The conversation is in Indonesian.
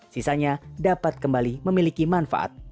sisanya dapat kembali memiliki manfaat